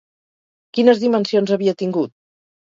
Quines dimensions havia tingut?